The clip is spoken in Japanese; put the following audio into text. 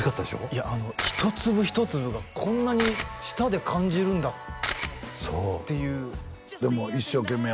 いや一粒一粒がこんなに舌で感じるんだっていう一生懸命